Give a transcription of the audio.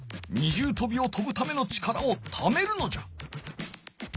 二重とびをとぶための力をためるのじゃ。